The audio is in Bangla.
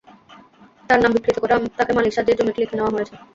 তার নাম বিকৃত করে তাঁকে মালিক সাজিয়ে জমিটি লিখে নেওয়া হয়েছে।